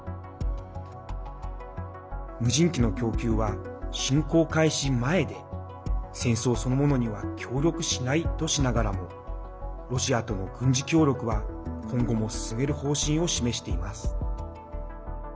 無人機の供与は侵攻開始前で戦争そのものには協力しないとしながらもロシアとの軍事協力は今後も進める方針を示しています。